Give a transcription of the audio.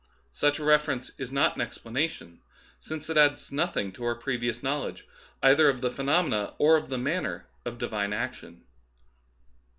Such a reference is not an explanation, since it adds noth ing to our previous knowledge either of the phe nomena or of the manner of Divine action.